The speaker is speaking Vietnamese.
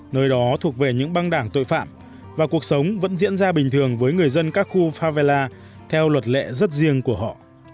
nơi đó thuộc về những băng đảng tội phạm và cuộc sống vẫn diễn ra bình thường với người dân các khu favella theo luật lệ rất riêng của họ